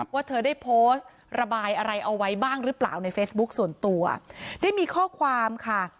ว่าเธอได้โพสต์ระบายอะไรเอาไว้บ้างหรือเปล่าในเฟซบุ๊คส่วนตัวได้มีข้อความค่ะ